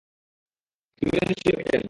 তুমিও নিশ্চয়ই ওকে চেনো।